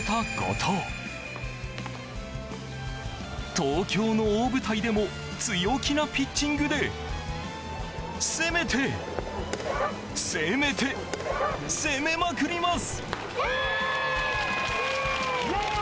東京の大舞台でも強気のピッチングで攻めて、攻めて攻めまくります！